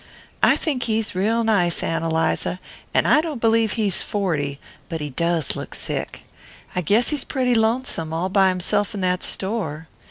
I think he's real nice, Ann Eliza. And I don't believe he's forty; but he DOES look sick. I guess he's pretty lonesome, all by himself in that store.